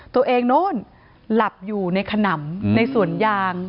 ตัวเองโน่นหลับอยู่ในขนำในส่วนยาง